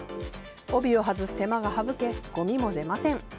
帯を外す手間が省けごみも出ません。